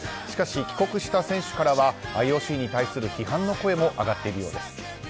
しかし、帰国した選手からはＩＯＣに対する批判の声も上がっているようです。